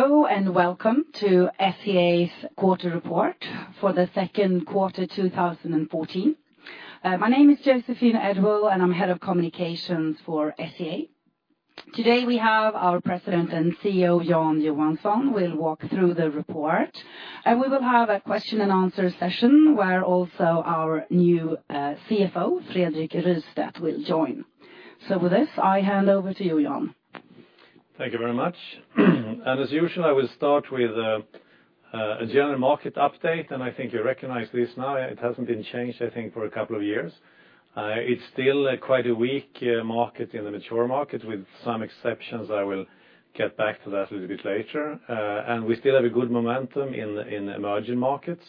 Hello, welcome to SCA's quarter report for the second quarter 2014. My name is Joséphine Edwall-Björklund, I'm head of communications for SCA. Today we have our President and CEO, Jan Johansson, will walk through the report, we will have a question and answer session where also our new CFO, Fredrik Rystedt, will join. With this, I hand over to you, Jan. Thank you very much. As usual, I will start with a general market update, I think you recognize this now. It hasn't been changed, I think, for a couple of years. It's still quite a weak market in the mature market with some exceptions. I will get back to that a little bit later. We still have a good momentum in emerging markets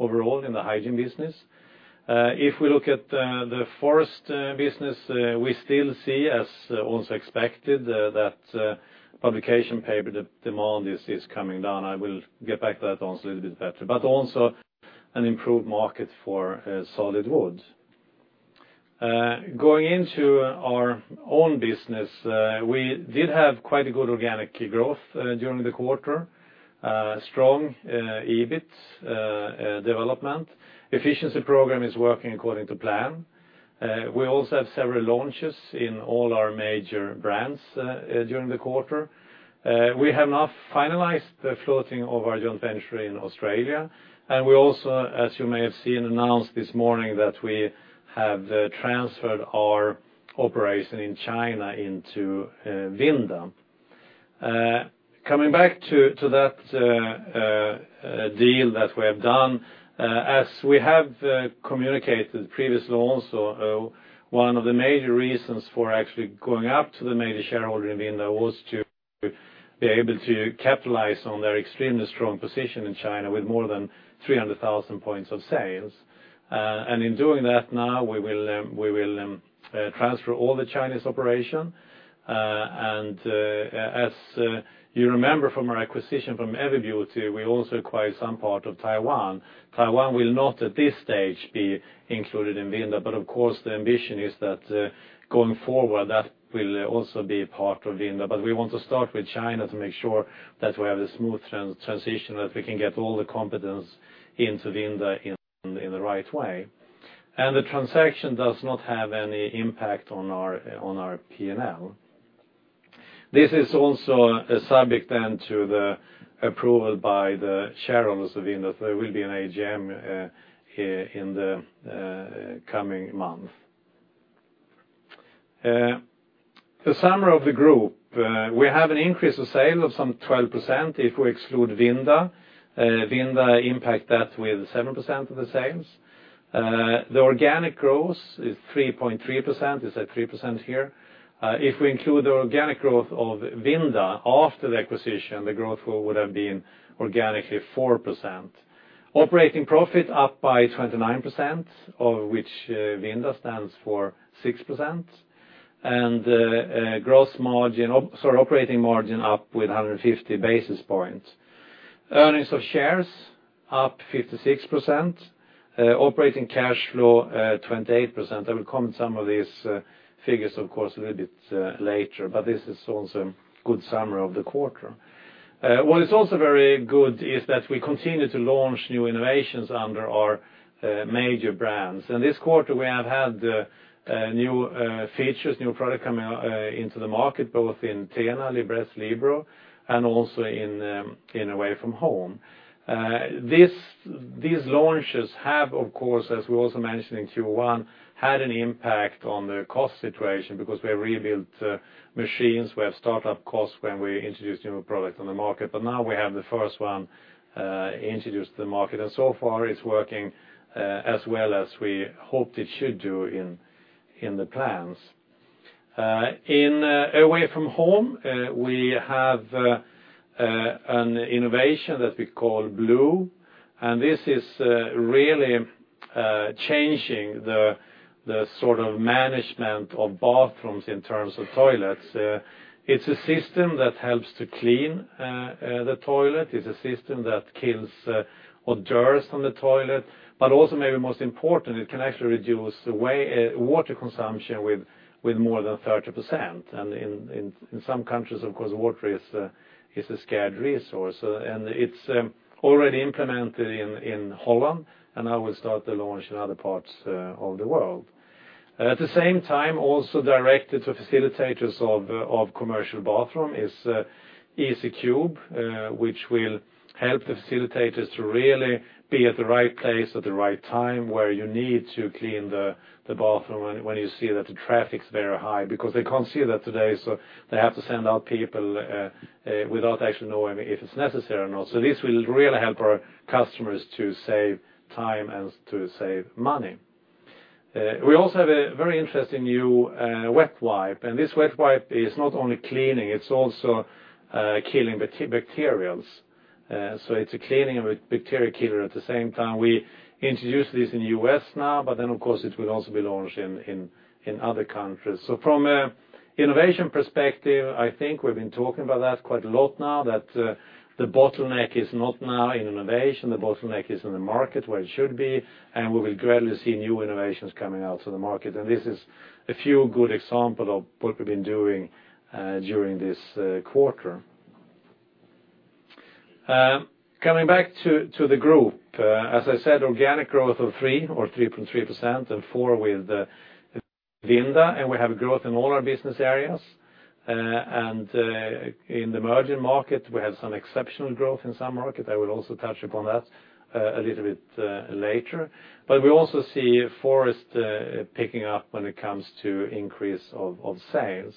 overall in the hygiene business. If we look at the forest business, we still see, as also expected, that publication paper demand is coming down. I will get back to that also a little bit better, an improved market for solid wood. Going into our own business, we did have quite a good organic growth during the quarter. Strong EBIT development. Efficiency program is working according to plan. We also have several launches in all our major brands during the quarter. We have now finalized the floating of our joint venture in Australia, we also, as you may have seen announced this morning, that we have transferred our operation in China into Vinda. Coming back to that deal that we have done, as we have communicated previously also, one of the major reasons for actually going out to the major shareholder in Vinda was to be able to capitalize on their extremely strong position in China with more than 300,000 points of sales. In doing that now, we will transfer all the Chinese operation, as you remember from our acquisition from Everbeauty, we also acquired some part of Taiwan. Taiwan will not at this stage be included in Vinda, of course the ambition is that going forward, that will also be a part of Vinda. We want to start with China to make sure that we have a smooth transition, that we can get all the competence into Vinda in the right way. The transaction does not have any impact on our P&L. This is also a subject then to the approval by the shareholders of Vinda, there will be an AGM in the coming month. The summary of the group, we have an increase of sale of some 12% if we exclude Vinda. Vinda impact that with 7% of the sales. The organic growth is 3.3%, it's at 3% here. If we include the organic growth of Vinda after the acquisition, the growth would've been organically 4%. Operating profit up by 29%, of which Vinda stands for 6%, operating margin up with 150 basis points. Earnings of shares up 56%, operating cash flow 28%. I will comment some of these figures of course a little bit later. This is also a good summary of the quarter. What is also very good is that we continue to launch new innovations under our major brands, and this quarter, we have had new features, new product coming into the market, both in TENA, Libresse, Libero, and also in Away From Home. These launches have, of course, as we also mentioned in Q1, had an impact on the cost situation because we have rebuilt machines, we have startup costs when we introduce new products on the market. Now we have the first one introduced to the market, and so far it's working as well as we hoped it should do in the plans. In Away From Home, we have an innovation that we call Blue, and this is really changing the management of bathrooms in terms of toilets. It's a system that helps to clean the toilet. It's a system that kills odors from the toilet, but also maybe most important, it can actually reduce water consumption with more than 30%. In some countries, of course, water is a scarce resource, and it's already implemented in Holland, and now we'll start the launch in other parts of the world. At the same time, also directed to facilitators of commercial bathroom is EasyCube, which will help the facilitators to really be at the right place at the right time where you need to clean the bathroom when you see that the traffic's very high, because they can't see that today, so they have to send out people without actually knowing if it's necessary or not. This will really help our customers to save time and to save money. We also have a very interesting new wet wipe, and this wet wipe is not only cleaning, it's also killing bacteria. It's a cleaning and bacteria killer at the same time. We introduced this in the U.S. now, but then of course it will also be launched in other countries. From an innovation perspective, I think we've been talking about that quite a lot now, that the bottleneck is not now in innovation, the bottleneck is in the market where it should be, and we will gradually see new innovations coming out to the market. This is a few good example of what we've been doing during this quarter. Coming back to the group. As I said, organic growth of 3% or 3.3% and 4% with Vinda, and we have growth in all our business areas. In the emerging market, we have some exceptional growth in some markets. I will also touch upon that a little bit later. We also see forest picking up when it comes to increase of sales.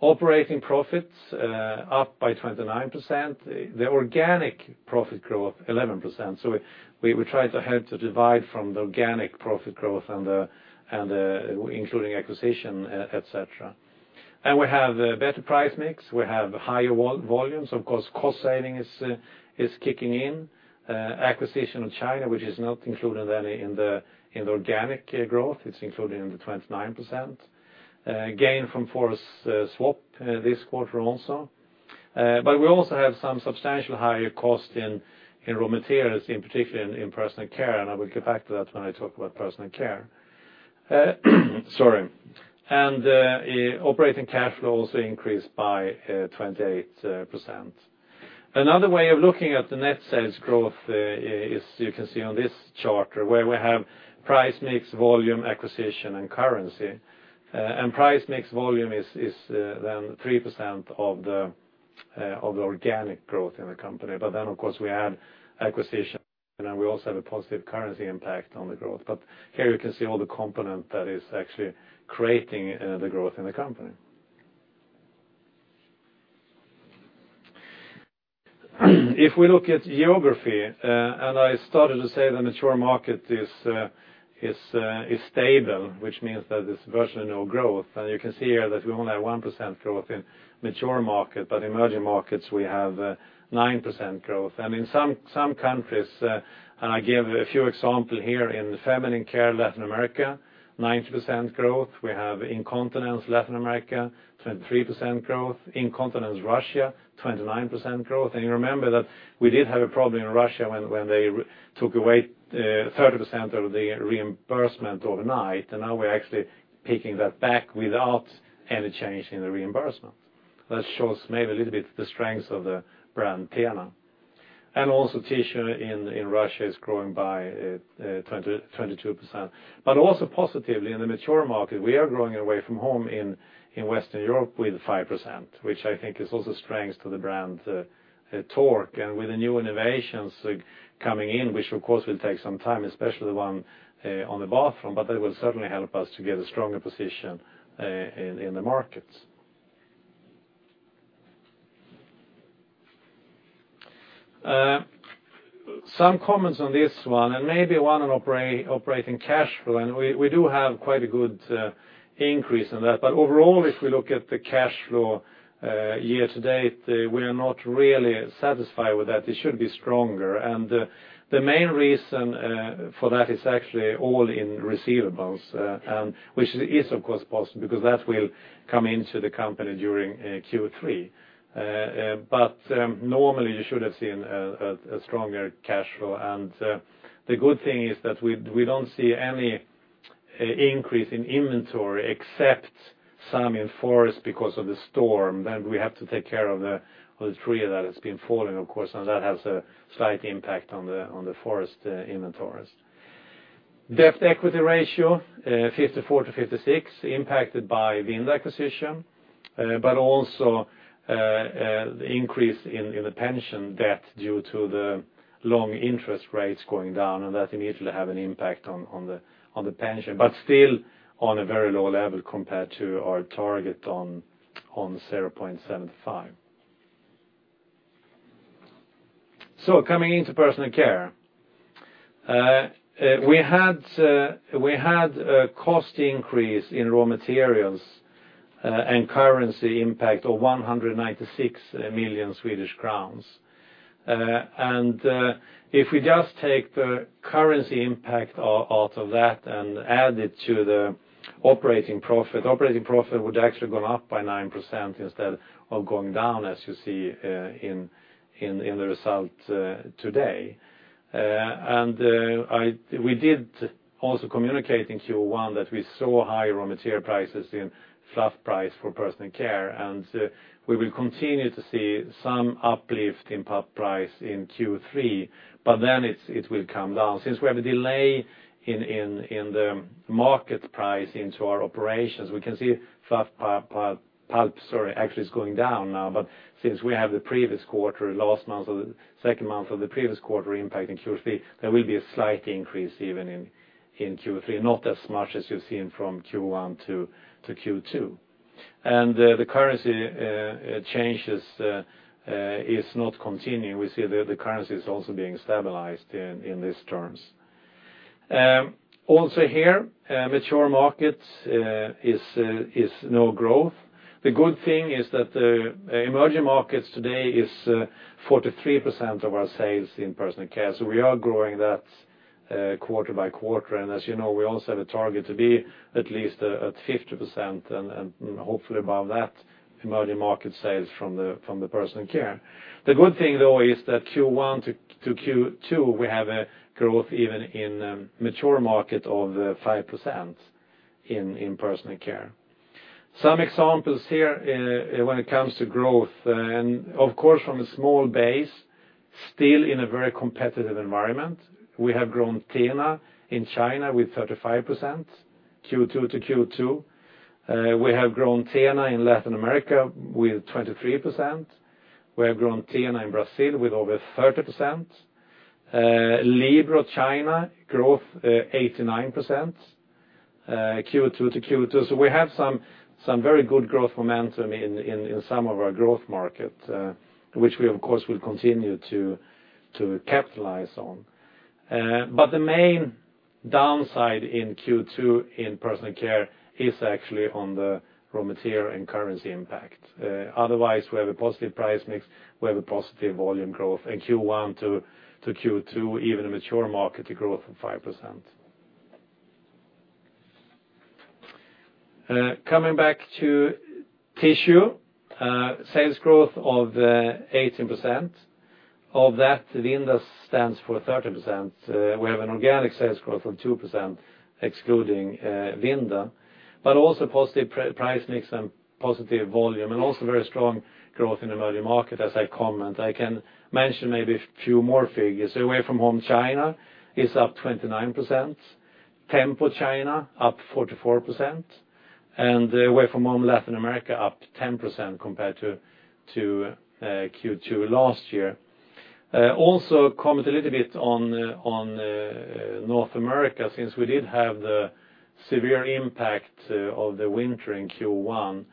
Operating profits up by 29%, the organic profit growth 11%. We try to help to divide from the organic profit growth including acquisition, et cetera. We have a better price mix. We have higher volumes, of course, cost saving is kicking in. Acquisition of China, which is not included in the organic growth, it's included in the 29%. Gain from forest swap this quarter also. We also have some substantial higher cost in raw materials, in particular in personal care, and I will get back to that when I talk about personal care. Sorry. Operating cash flow also increased by 28%. Another way of looking at the net sales growth is you can see on this chart where we have price, mix, volume, acquisition, and currency. Price mix volume is then 3% of the organic growth in the company. Of course we add acquisition, and we also have a positive currency impact on the growth. Here you can see all the component that is actually creating the growth in the company. If we look at geography, I started to say the mature market is stable, which means that it's virtually no growth. You can see here that we only have 1% growth in mature market, but emerging markets we have 9% growth. In some countries, I give a few example here in feminine care Latin America, 19% growth. We have Incontinence Latin America, 23% growth. Incontinence Russia, 29% growth. Remember that we did have a problem in Russia when they took away 30% of the reimbursement overnight, and now we're actually taking that back without any change in the reimbursement. That shows maybe a little bit the strengths of the brand TENA. Also tissue in Russia is growing by 22%, but also positively in the mature market, we are growing Away From Home in Western Europe with 5%, which I think is also strengths to the brand Tork. With the new innovations coming in, which of course will take some time, especially one on the bathroom, but that will certainly help us to get a stronger position in the markets. Some comments on this one and maybe one on operating cash flow, we do have quite a good increase on that. Overall, if we look at the cash flow year to date, we are not really satisfied with that. It should be stronger. The main reason for that is actually all in receivables, which is of course possible because that will come into the company during Q3. Normally you should have seen a stronger cash flow, and the good thing is that we don't see any increase in inventory except some in forest because of the storm. We have to take care of the tree that has been falling, of course, and that has a slight impact on the forest inventories. Debt equity ratio 54-56 impacted by Vinda acquisition, but also increase in the pension debt due to the long interest rates going down, and that immediately have an impact on the pension, but still on a very low level compared to our target on 0.75. Coming into personal care. We had a cost increase in raw materials and currency impact of 196 million Swedish crowns. If we just take the currency impact out of that and add it to the operating profit, operating profit would actually gone up by 9% instead of going down as you see in the result today. We did also communicate in Q1 that we saw higher raw material prices in fluff pulp for personal care, and we will continue to see some uplift in pulp price in Q3, but then it will come down. Since we have a delay in the market price into our operations, we can see fluff pulp actually is going down now. Since we have the previous quarter, last month or the second month of the previous quarter impact in Q3, there will be a slight increase even in Q3, not as much as you've seen from Q1 to Q2. The currency changes is not continuing. We see the currency is also being stabilized in these terms. Also here, mature markets is no growth. The good thing is that the emerging markets today is 43% of our sales in personal care. We are growing that quarter by quarter. As you know, we also have a target to be at least at 50% and hopefully above that emerging market sales from the personal care. The good thing though is that Q1 to Q2, we have a growth even in mature market of 5% in personal care. Some examples here when it comes to growth, and of course, from a small base, still in a very competitive environment. We have grown TENA in China with 35%, Q2 to Q2. We have grown TENA in Latin America with 23%. We have grown TENA in Brazil with over 30%. Libero China growth 89%, Q2 to Q2. We have some very good growth momentum in some of our growth markets, which we, of course, will continue to capitalize on. The main downside in Q2 in personal care is actually on the raw material and currency impact. Otherwise, we have a positive price mix, we have a positive volume growth in Q1 to Q2, even in mature markets, a growth of 5%. Coming back to tissue, sales growth of 18%. Of that, Vinda stands for 30%. We have an organic sales growth of 2% excluding Vinda, but also positive price mix and positive volume, and also very strong growth in emerging markets, as I comment. I can mention maybe a few more figures. Away From Home China is up 29%, Tempo China up 44%, Away From Home Latin America up 10% compared to Q2 last year. Also comment a little bit on North America, since we did have the severe impact of the winter in Q1.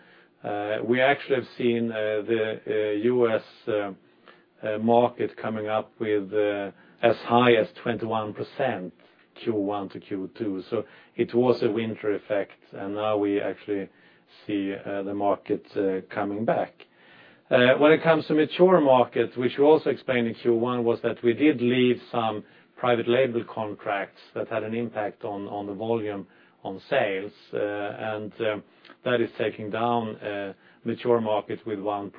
We actually have seen the U.S. market coming up with as high as 21% Q1 to Q2. It was a winter effect, now we actually see the market coming back. When it comes to mature markets, which we also explained in Q1, was that we did leave some private label contracts that had an impact on the volume on sales, and that is taking down mature markets with 1%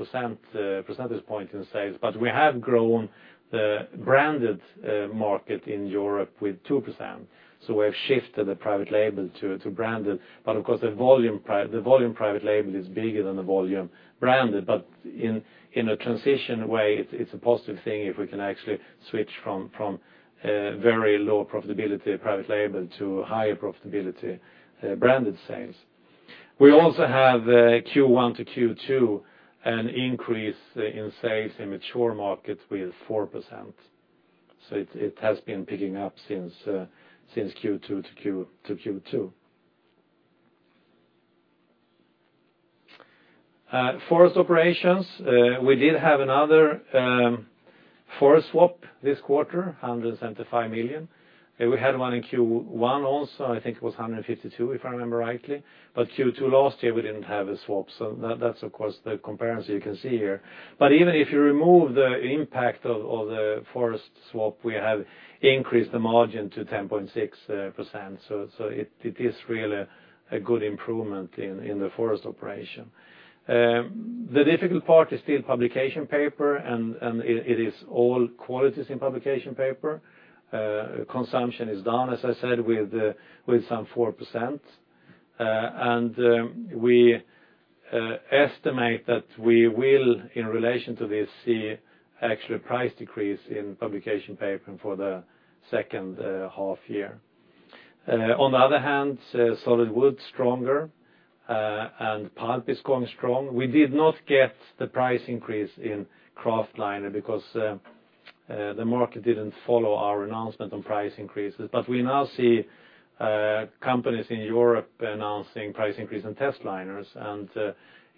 percentage point in sales. We have grown the branded market in Europe with 2%. We have shifted the private label to branded, but of course, the volume private label is bigger than the volume branded. In a transition way, it's a positive thing if we can actually switch from very low profitability private label to higher profitability branded sales. We also have Q1 to Q2 an increase in sales in mature markets with 4%. It has been picking up since Q2 to Q2. Forest operations, we did have another forest swap this quarter, 175 million. We had one in Q1 also, I think it was 152, if I remember rightly. Q2 last year, we didn't have a swap, so that's of course the comparison you can see here. Even if you remove the impact of the forest swap, we have increased the margin to 10.6%, so it is really a good improvement in the forest operation. The difficult part is still publication paper, and it is all qualities in publication paper. Consumption is down, as I said, with some 4%, we estimate that we will, in relation to this, see actual price decrease in publication paper for the second half year. On the other hand, solid wood stronger, and pulp is going strong. We did not get the price increase in kraftliner because the market didn't follow our announcement on price increases. We now see companies in Europe announcing price increase in testliner, and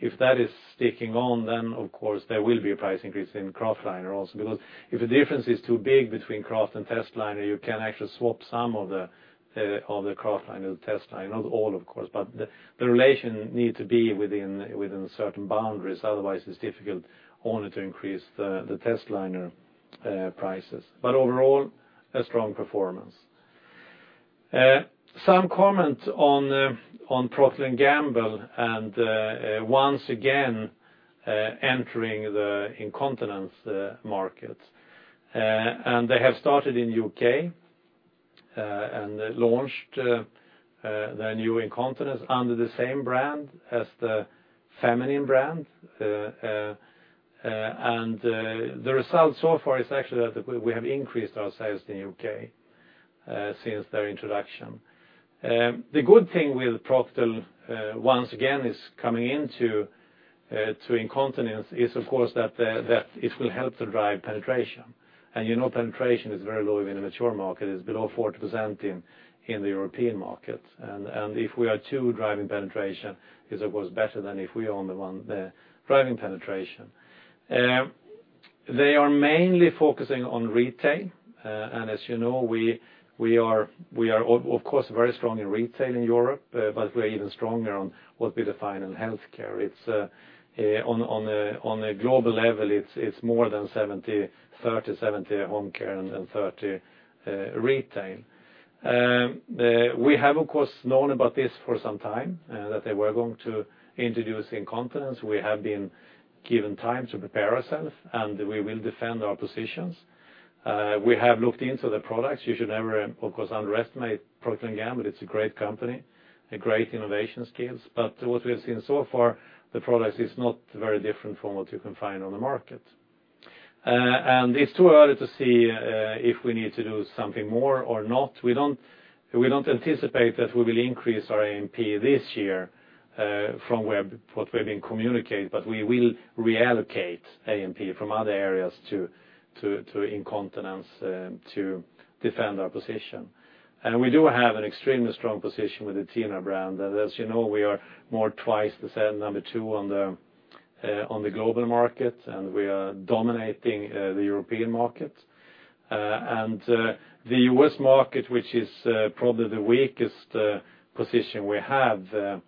if that is sticking on, then of course there will be a price increase in kraftliner also, because if the difference is too big between kraftliner and testliner, you can actually swap some of the kraftliner to testliner. Not all, of course, but the relation needs to be within certain boundaries. Otherwise, it's difficult only to increase the testliner prices. Overall, a strong performance. Some comment on Procter & Gamble, once again, entering the Incontinence market. They have started in U.K., and launched their new Incontinence under the same brand as the feminine brand. The result so far is actually that we have increased our sales in U.K. since their introduction. The good thing with Procter once again is coming into Incontinence is, of course, that it will help to drive penetration. You know penetration is very low in a mature market, it's below 40% in the European market. If we are too driving penetration, is of course better than if we are only one driving penetration. They are mainly focusing on retail, and as you know, we are of course very strong in retail in Europe, but we're even stronger on what we define in healthcare. On a global level, it's more than 70-30, 70 home care and 30 retail. We have, of course, known about this for some time, that they were going to introduce Incontinence. We have been given time to prepare ourselves, and we will defend our positions. We have looked into the products. You should never, of course, underestimate Procter & Gamble. It's a great company, great innovation skills. What we have seen so far, the product is not very different from what you can find on the market. It's too early to see if we need to do something more or not. We don't anticipate that we will increase our AMP this year from what we've been communicating, but we will reallocate AMP from other areas to Incontinence to defend our position. We do have an extremely strong position with the TENA brand. As you know, we are more twice the sale number two on the global market. We are dominating the European market. The U.S. market, which is probably the weakest position we have,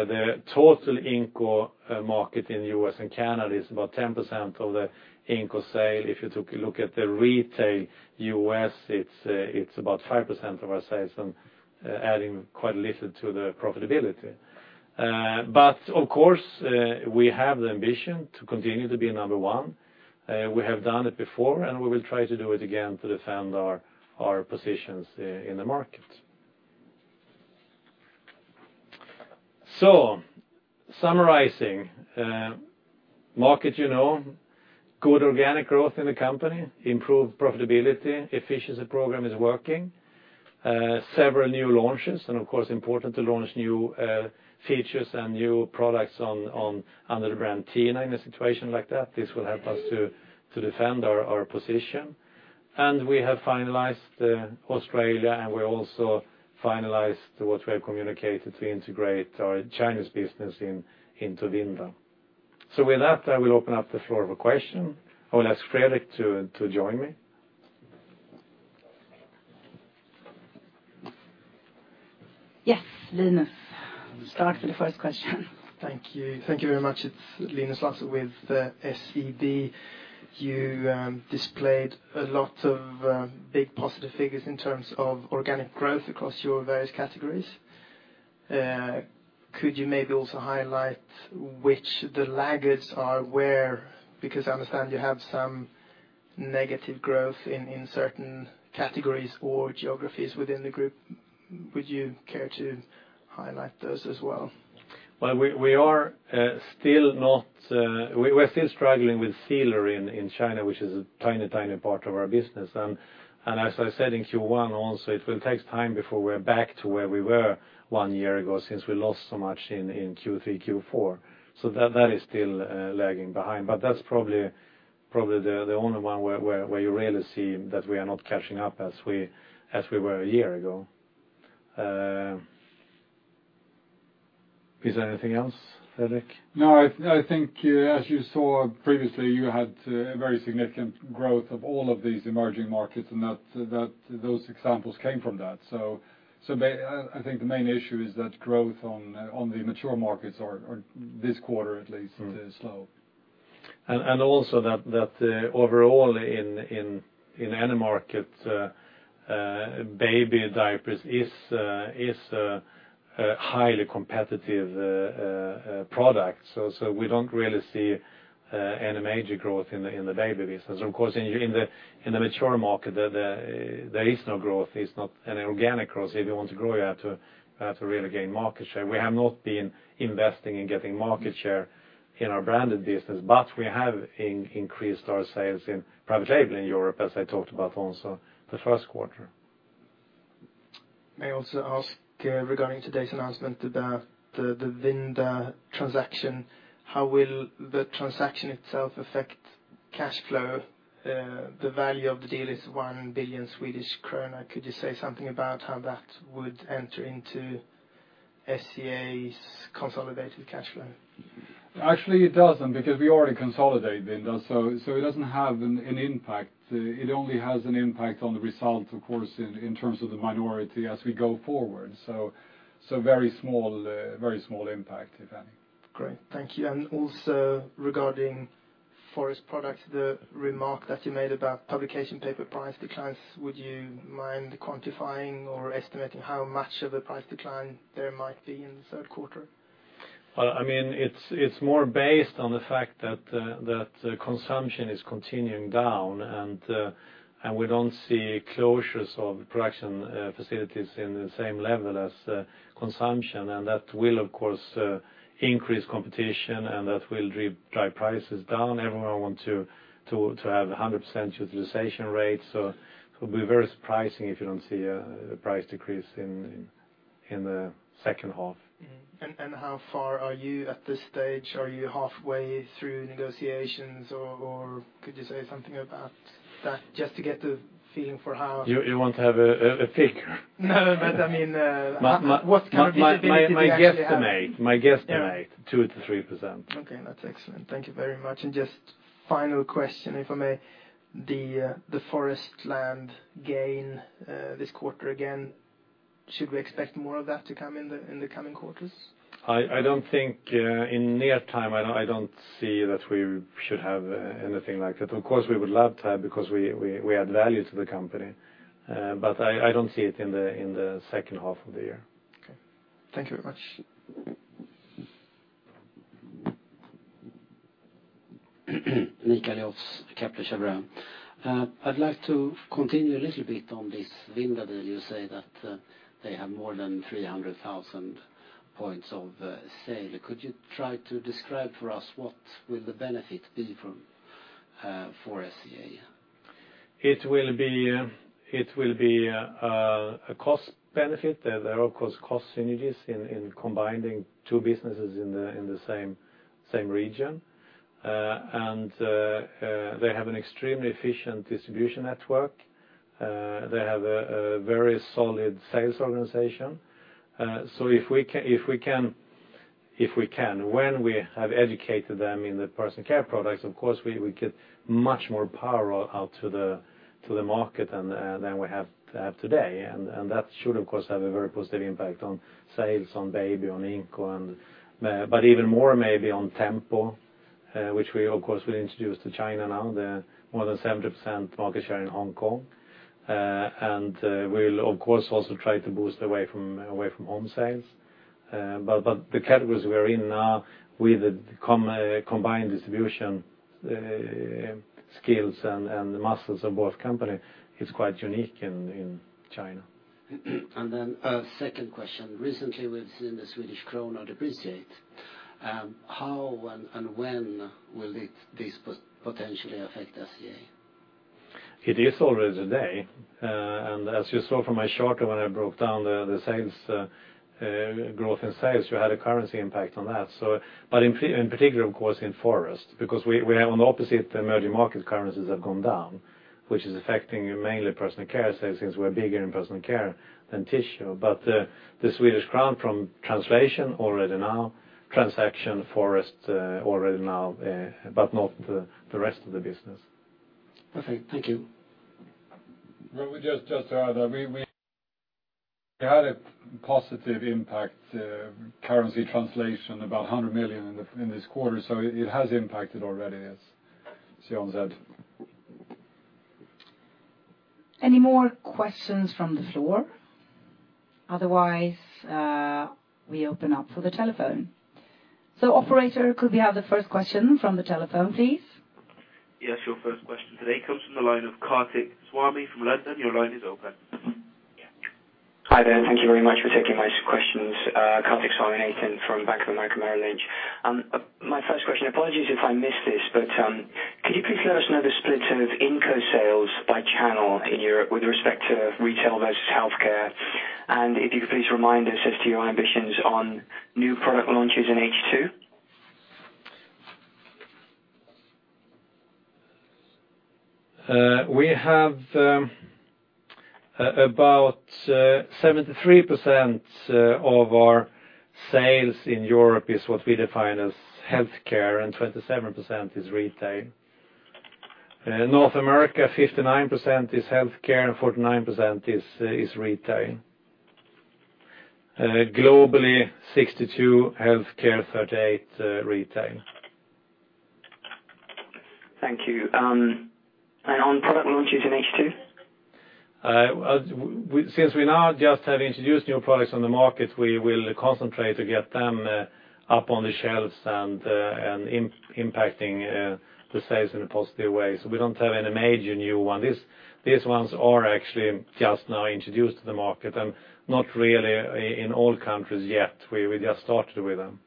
the total incon market in the U.S. and Canada is about 10% of the incon sale. If you took a look at the retail U.S., it's about 5% of our sales and adding quite little to the profitability. Of course, we have the ambition to continue to be number one. We have done it before, and we will try to do it again to defend our positions in the market. Summarizing. Market, you know, good organic growth in the company, improved profitability, efficiency program is working. Several new launches, and of course, important to launch new features and new products under the brand TENA in a situation like that. This will help us to defend our position. We have finalized Australia, we also finalized what we have communicated to integrate our Chinese business into Vinda. With that, I will open up the floor for question. I will ask Fredrik to join me. Yes, Linus. Start with the first question. Thank you. Thank you very much. It's Linus Larsson with SEB. You displayed a lot of big positive figures in terms of organic growth across your various categories. Could you maybe also highlight which the laggards are, where, because I understand you have some negative growth in certain categories or geographies within the group. Would you care to highlight those as well? Well, we're still struggling with Sealer in China, which is a tiny part of our business. As I said, in Q1 also, it will take time before we're back to where we were one year ago, since we lost so much in Q3, Q4. That is still lagging behind, but that's probably the only one where you really see that we are not catching up as we were a year ago. Is there anything else, Fredrik? No, I think as you saw previously, you had a very significant growth of all of these emerging markets, those examples came from that. I think the main issue is that growth on the mature markets are, this quarter at least, is slow. Also that overall in any market, baby diapers is a highly competitive product. We don't really see any major growth in the baby business. Of course, in the mature market, there is no growth. It's not an organic growth. If you want to grow, you have to really gain market share. We have not been investing in getting market share in our branded business, but we have increased our sales in private label in Europe, as I talked about also the first quarter. May I also ask regarding today's announcement about the Vinda transaction, how will the transaction itself affect cash flow? The value of the deal is 1 billion Swedish krona. Could you say something about how that would enter into SCA's consolidated cash flow? Actually, it doesn't, because we already consolidate Vinda, it doesn't have an impact. It only has an impact on the result, of course, in terms of the minority as we go forward. Very small impact, if any. Great. Thank you. Also regarding forest products, the remark that you made about publication paper price declines, would you mind quantifying or estimating how much of a price decline there might be in the third quarter? Well, it's more based on the fact that consumption is continuing down, we don't see closures of production facilities in the same level as consumption. That will, of course, increase competition, and that will drive prices down. Everyone want to have 100% utilization rate. It will be very surprising if you don't see a price decrease in the second half. How far are you at this stage? Are you halfway through negotiations, or could you say something about that just to get a feeling for. You want to have a figure? No, I mean. My guesstimate. What kind of visibility do you actually have? My guesstimate, 2%-3%. Okay, that's excellent. Thank you very much. Just final question, if I may. The forest land gain this quarter, again, should we expect more of that to come in the coming quarters? I don't think in near time, I don't see that we should have anything like that. Of course, we would love to have because we add value to the company. I don't see it in the second half of the year. Okay. Thank you very much. Mikael Olofsson, Kepler Cheuvreux I'd like to continue a little bit on this Vinda deal. You say that they have more than 300,000 points of sale. Could you try to describe for us what will the benefit be for SCA? It will be a cost benefit. There are, of course, cost synergies in combining two businesses in the same region. They have an extremely efficient distribution network. They have a very solid sales organization. If we can, when we have educated them in the personal care products, of course, we get much more power out to the market than we have today. That should, of course, have a very positive impact on sales on baby, on Incontinence, but even more maybe on Tempo, which we, of course, will introduce to China now. More than 70% market share in Hong Kong. We'll, of course, also try to boost Away From Home sales. The categories we're in now with the combined distribution skills and the muscles of both company is quite unique in China. A second question. Recently, we've seen the Swedish krona depreciate. How and when will this potentially affect SCA? It is already today. As you saw from my chart when I broke down the growth in sales, you had a currency impact on that. In particular, of course, in Forest, because we have on the opposite, emerging market currencies have gone down, which is affecting mainly personal care since we're bigger in personal care than tissue. The Swedish crown from translation already now, transaction Forest already now, but not the rest of the business. Perfect. Thank you. Well, just to add, we had a positive impact currency translation about 100 million in this quarter, so it has impacted already, as Jan said. Any more questions from the floor? Otherwise, we open up for the telephone. Operator, could we have the first question from the telephone, please? Yes. Your first question today comes from the line of Kartik Swamy from London. Your line is open. Hi there, thank you very much for taking my questions. Kartik Swamy from Bank of America, Merrill Lynch. My first question, apologies if I missed this, could you please let us know the split of Incontinence sales by channel in Europe with respect to retail versus healthcare? If you could please remind us as to your ambitions on new product launches in H2? We have about 73% of our sales in Europe is what we define as healthcare, 27% is retail. North America, 59% is healthcare 41% is retail. Globally, 62% healthcare, 38% retail. Thank you. On product launches in H2? Since we now just have introduced new products on the market, we will concentrate to get them up on the shelves and impacting the sales in a positive way. We don't have any major new one. These ones are actually just now introduced to the market and not really in all countries yet. We just started with them.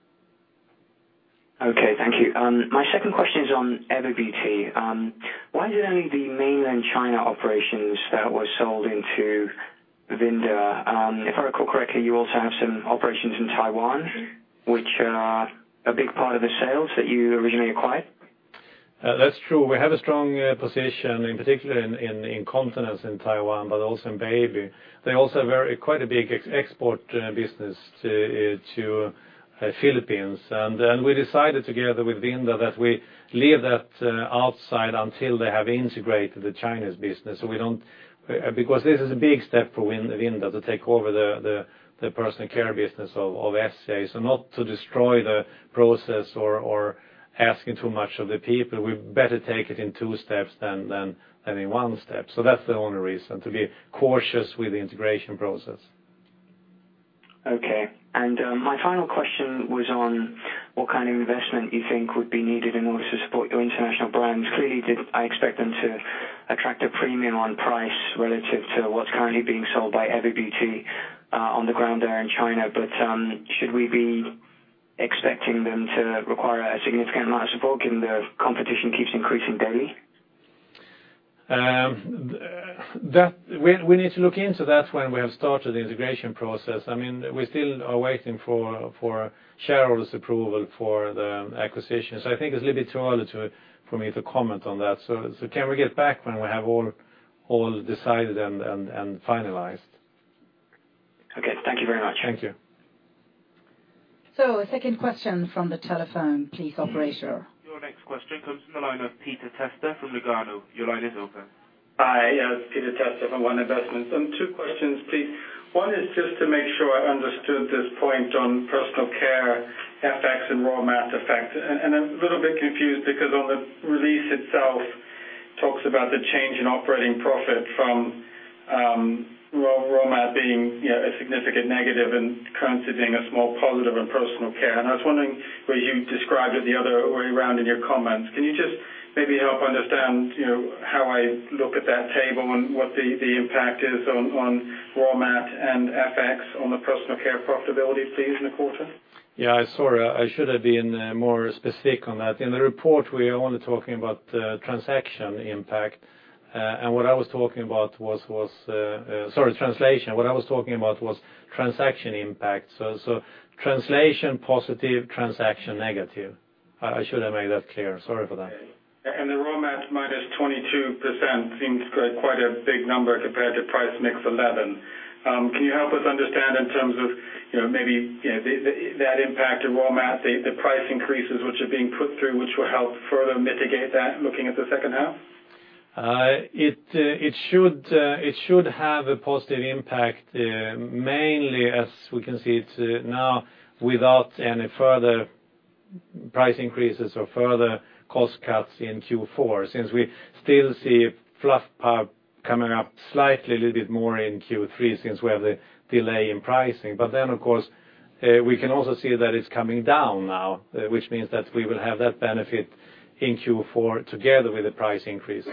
Okay, thank you. My second question is on Everbeauty. Why is it only the mainland China operations that were sold into Vinda? If I recall correctly, you also have some operations in Taiwan, which are a big part of the sales that you originally acquired. That's true. We have a strong position, in particular in incontinence in Taiwan, but also in baby. They also have quite a big export business to Philippines. Then we decided together with Vinda that we leave that outside until they have integrated the Chinese business. This is a big step for Vinda to take over the personal care business of SCA. Not to destroy the process or asking too much of the people, we better take it in two steps than in one step. That's the only reason, to be cautious with the integration process. Okay. My final question was on what kind of investment you think would be needed in order to support your international brands. Clearly, I expect them to attract a premium on price relative to what's currently being sold by Everbeauty on the ground there in China. Should we be expecting them to require a significant amount of support given their competition keeps increasing daily? We need to look into that when we have started the integration process. We still are waiting for shareholders' approval for the acquisition. I think it's a little bit too early for me to comment on that. Can we get back when we have all decided and finalized? Okay. Thank you very much. Thank you. Second question from the telephone please, operator. Your next question comes from the line of Peter Testa from Lugano. Your line is open. Hi. It's Peter Testa from One Investments. 2 questions, please. One is just to make sure I understood this point on Personal Care FX and raw material effect. I'm a little bit confused because on the release itself, talks about the change in operating profit from Raw material being a significant negative and currency being a small positive in Personal Care. I was wondering where you described it the other way around in your comments. Can you just maybe help understand how I look at that table and what the impact is on Raw material and FX on the Personal Care profitability please, in the quarter? Yeah, sorry, I should have been more specific on that. In the report, we are only talking about transaction impact. What I was talking about was, sorry, translation. What I was talking about was transaction impact. Translation positive, transaction negative. I should have made that clear. Sorry for that. Okay. The Raw material -22% seems quite a big number compared to price mix 11%. Can you help us understand in terms of maybe that impact of Raw material, the price increases which are being put through, which will help further mitigate that, looking at the second half? It should have a positive impact, mainly as we can see it now, without any further price increases or further cost cuts in Q4, since we still see fluff pulp coming up slightly a little bit more in Q3, since we have the delay in pricing. Of course, we can also see that it's coming down now, which means that we will have that benefit in Q4 together with the price increase.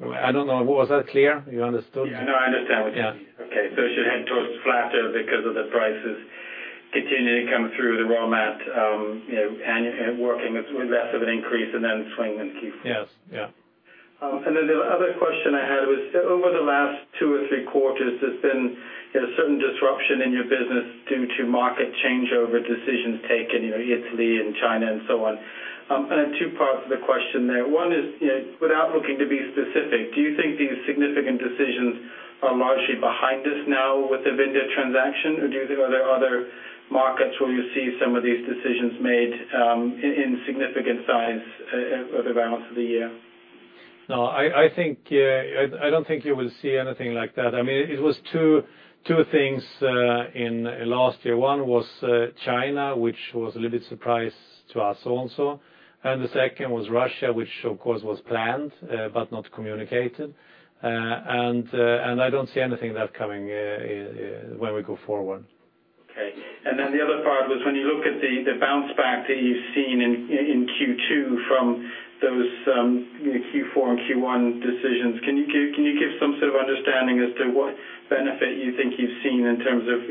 I don't know. Was that clear? You understood? Yeah. No, I understand what you mean. Yeah. It should head towards flatter because of the prices continuing to come through the raw material, and working with less of an increase and then swing in Q4. Yes. Yeah. The other question I had was, over the last two or three quarters, there's been a certain disruption in your business due to market changeover decisions taken, Italy and China and so on. I have two parts to the question there. One is, without looking to be specific, do you think these significant decisions are largely behind us now with the Vinda transaction? Or do you think are there other markets where you see some of these decisions made in significant size over the balance of the year? No, I don't think you will see anything like that. It was two things in last year. One was China, which was a little bit surprise to us also. The second was Russia, which of course was planned but not communicated. I don't see anything of that coming when we go forward. Okay. The other part was when you look at the bounce back that you've seen in Q2 from those Q4 and Q1 decisions, can you give some sort of understanding as to what benefit you think you've seen in terms of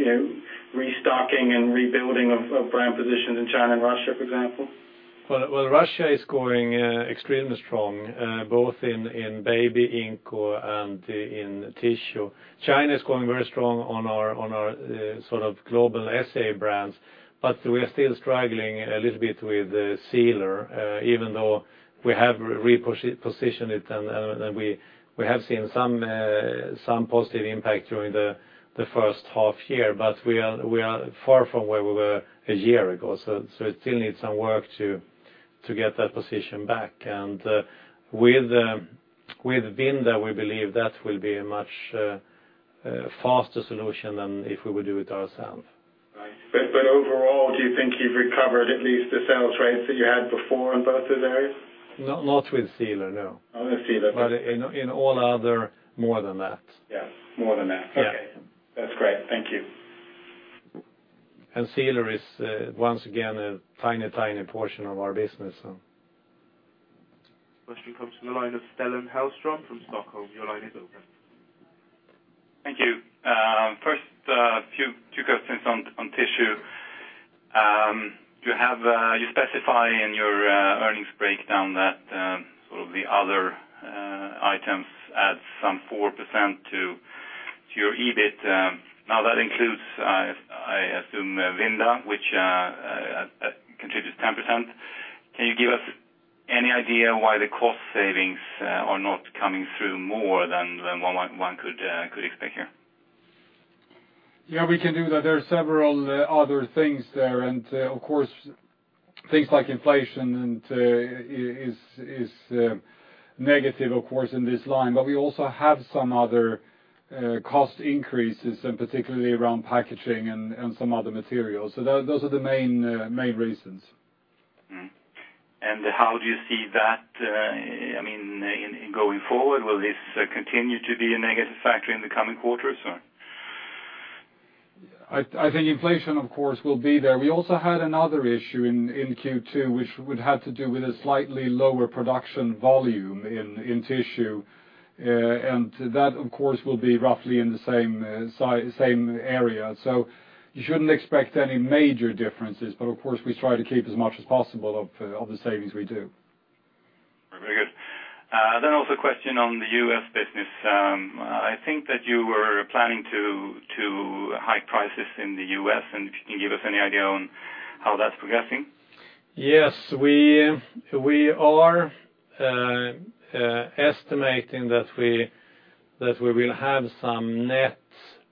restocking and rebuilding of brand positions in China and Russia, for example? Well, Russia is going extremely strong, both in baby, inco, and in tissue. China is going very strong on our global SCA brands, but we are still struggling a little bit with Sealer, even though we have repositioned it, and we have seen some positive impact during the first half year. We are far from where we were a year ago, so it still needs some work to get that position back. With Vinda, we believe that will be a much faster solution than if we would do it ourselves. Right. Overall, do you think you've recovered at least the sales rates that you had before in both of those areas? Not with Sealer, no. Only Sealer. In all other, more than that. Yeah. More than that. Yeah. Okay. That's great. Thank you. Sealer is once again a tiny portion of our business. Question comes from the line of Stellan Hallstrom from Stockholm. Your line is open. Thank you. First, two questions on tissue. You specify in your earnings breakdown that sort of the other items add some 4% to your EBIT. That includes, I assume, Vinda, which contributes 10%. Can you give us any idea why the cost savings are not coming through more than what one could expect here? Yeah, we can do that. There are several other things there. Of course, things like inflation is negative, of course, in this line. We also have some other cost increases, particularly around packaging and some other materials. Those are the main reasons. Mm-hmm. How do you see that in going forward? Will this continue to be a negative factor in the coming quarters? I think inflation of course will be there. We also had another issue in Q2, which had to do with a slightly lower production volume in tissue. That of course will be roughly in the same area. You shouldn't expect any major differences. Of course, we try to keep as much as possible of the savings we do. Very good. Also a question on the U.S. business. I think that you were planning to hike prices in the U.S., and if you can give us any idea on how that's progressing? Yes, we are estimating that we will have some net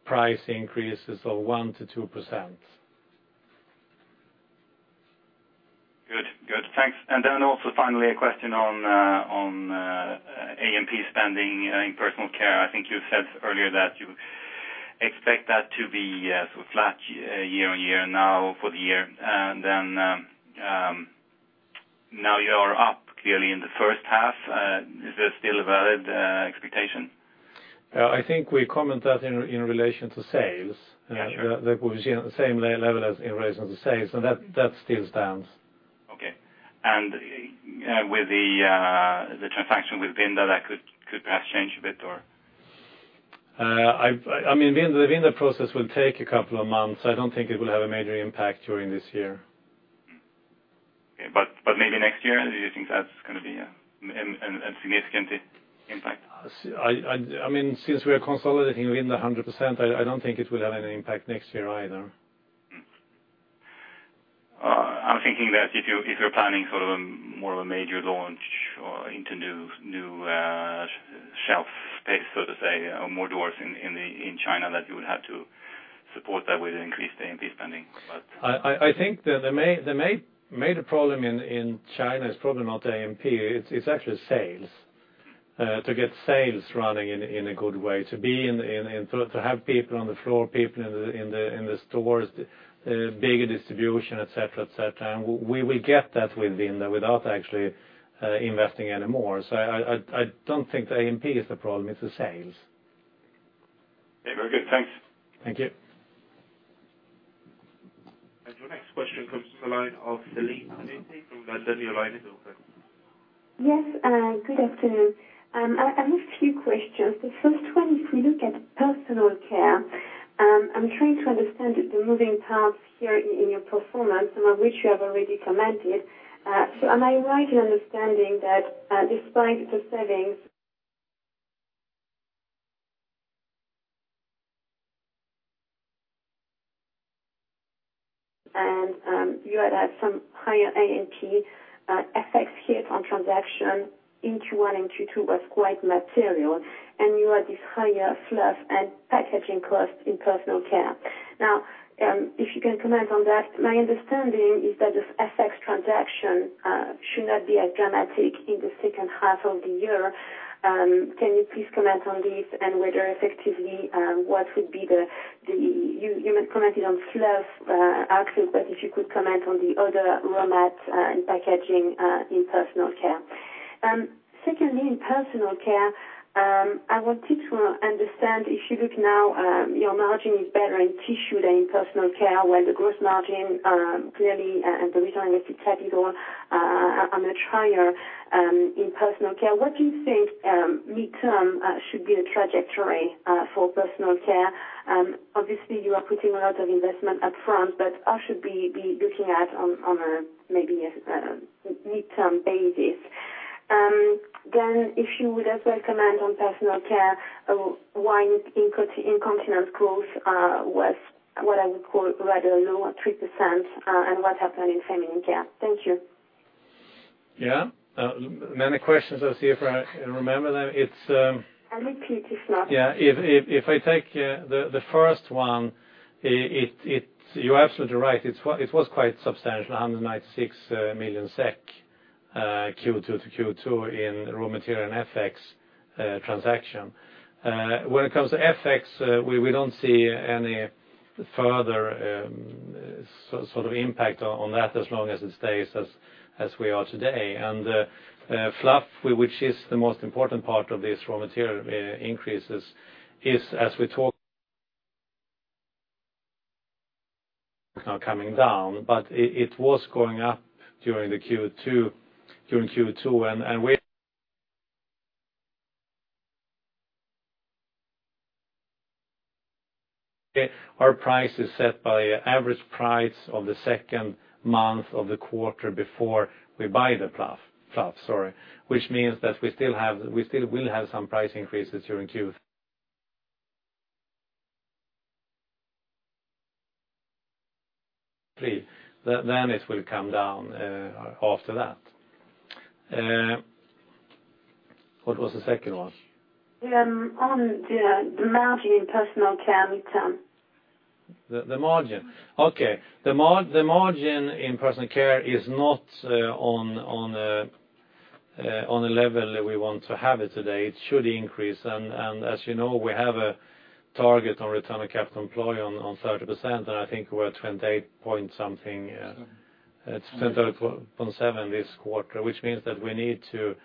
price increases of 1%-2%. Good. Thanks. Also finally a question on AMP spending in Personal Care. I think you said earlier that you expect that to be sort of flat year-on-year now for the year. Now you are up clearly in the first half. Is this still a valid expectation? I think you comment that in relation to sales. Got you. That we're seeing at the same level as in relation to sales, that still stands. Okay. With the transaction with Vinda, that could perhaps change a bit or? The Vinda process will take a couple of months. I don't think it will have a major impact during this year. Okay. Maybe next year? Do you think that's going to be a significant impact? Since we are consolidating Vinda 100%, I don't think it will have any impact next year either. I'm thinking that if you're planning sort of more of a major launch or into new shelf space, so to say, or more doors in China, that you would have to support that with increased AMP spending. I think the major problem in China is probably not AMP. It's actually sales. To get sales running in a good way. To have people on the floor, people in the stores, bigger distribution, et cetera. We will get that with Vinda without actually investing any more. I don't think the AMP is the problem, it's the sales. Okay. Very good. Thanks. Thank you. Your next question comes to the line of Celine Pannuti from Berenberg. The line is open. Yes, good afternoon. I have a few questions. The first one, if we look at personal care, I am trying to understand the moving parts here in your performance, some of which you have already commented. Am I right in understanding that despite the savings, you had had some higher AMP FX hit on transaction in Q1 and Q2 was quite material, you had this higher fluff and packaging cost in personal care. If you can comment on that. My understanding is that this FX transaction should not be as dramatic in the second half of the year. Can you please comment on this and whether effectively You commented on fluff. If you could comment on the other raw mats and packaging in personal care. Secondly, in personal care, I wanted to understand if you look now your margin is better in tissue than in personal care, where the gross margin clearly and the return on invested capital are much higher in personal care. What do you think midterm should be the trajectory for personal care? Obviously, you are putting a lot of investment up front, but I should be looking at on a maybe a midterm basis. If you would as well comment on personal care, why incontinence growth was what I would call rather low at 3% and what happened in feminine care. Thank you. Yeah. Many questions. I'll see if I remember them. I'll repeat if not. Yeah. If I take the first one, you are absolutely right. It was quite substantial, 196 million SEK Q2 to Q2 in raw material and FX transaction. When it comes to FX, we don't see any further sort of impact on that as long as it stays as we are today. Fluff, which is the most important part of these raw material increases, is as we talk now coming down, but it was going up during Q2, and our price is set by average price of the second month of the quarter before we buy the fluff. Which means that we still will have some price increases during Q3. It will come down after that. What was the second one? On the margin in personal care midterm. The margin. Okay. The margin in personal care is not on a level that we want to have it today. It should increase, and as you know, we have a target on return on capital employed on 30%, and I think we're at 28 point something. Something. It's 28.7 this quarter, which means that we need to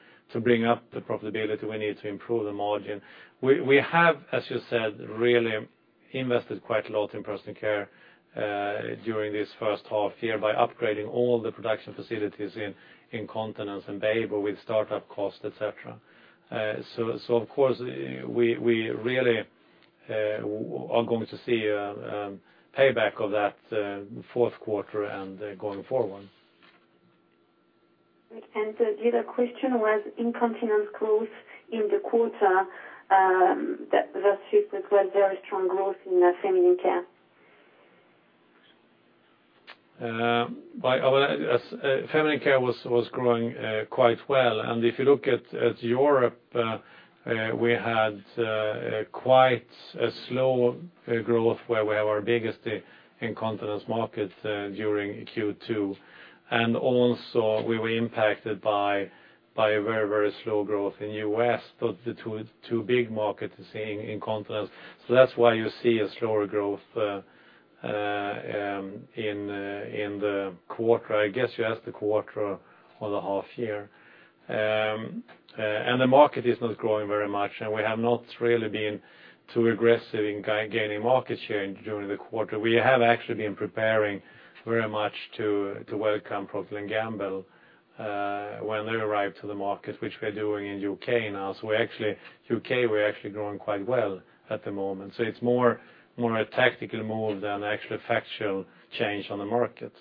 bring up the profitability. We need to improve the margin. We have, as you said, really invested quite a lot in personal care during this first half year by upgrading all the production facilities in Incontinence and Baby with start-up cost, et cetera. Of course, we really are going to see a payback of that fourth quarter and going forward. The other question was Incontinence growth in the quarter, that shifted with very strong growth in Feminine Care. Feminine care was growing quite well. If you look at Europe, we had quite a slow growth where we have our biggest incontinence market during Q2. Also we were impacted by very slow growth in the U.S., the two big markets seeing incontinence. That's why you see a slower growth in the quarter. I guess you ask the quarter or the half year. The market is not growing very much, and we have not really been too aggressive in gaining market share during the quarter. We have actually been preparing very much to welcome Procter & Gamble when they arrive to the market, which we're doing in U.K. now. U.K., we're actually growing quite well at the moment. It's more a tactical move than actual factual change on the market.